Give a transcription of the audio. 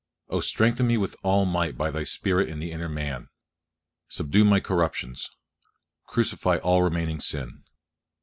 Oh strengthen me with all might by Thy Spirit in the inner man. Subdue my corruptions, crucify all remaining sin.